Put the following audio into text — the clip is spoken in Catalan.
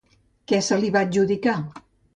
Què se li va adjudicar?